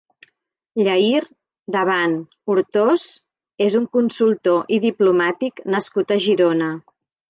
Lleïr Daban Hurtós és un consultor i diplomàtic nascut a Girona.